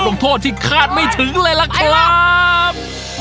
ลงโทษที่คาดไม่ถึงเลยล่ะครับ